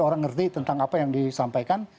orang ngerti tentang apa yang disampaikan